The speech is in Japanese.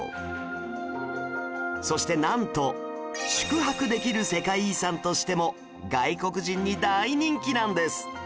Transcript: そしてなんと宿泊できる世界遺産としても外国人に大人気なんです